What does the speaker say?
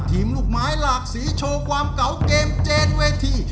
ลูกไม้หลากสีโชว์ความเก่าเกมเจนเวที